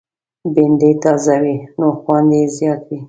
بېنډۍ تازه وي، نو خوند یې زیات وي